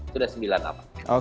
sudah sembilan nama